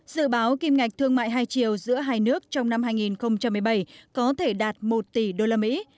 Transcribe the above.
dự báo kim ngạch thương mại hai triệu giữa hai nước trong năm hai nghìn một mươi bảy có thể đạt một tỷ đô la mỹ